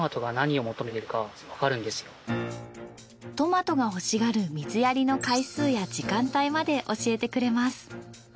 トマトが欲しがる水やりの回数や時間帯まで教えてくれます。